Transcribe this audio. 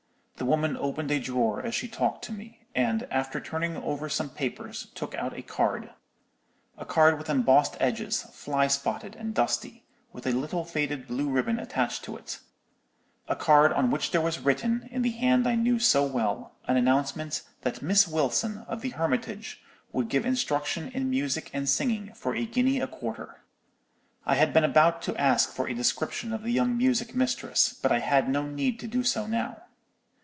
"The woman opened a drawer as she talked to me, and, after turning over some papers, took out a card—a card with embossed edges, fly spotted, and dusty, and with a little faded blue ribbon attached to it—a card on which there was written, in the hand I knew so well, an announcement that Miss Wilson, of the Hermitage, would give instruction in music and singing for a guinea a quarter. "I had been about to ask for a description of the young music mistress, but I had no need to do so now.